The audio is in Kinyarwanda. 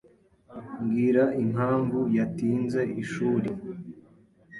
Mbwira impamvu yatinze ishuri.